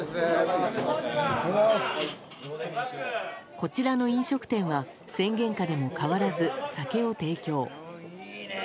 こちらの飲食店は宣言下でも変わらず酒を提供。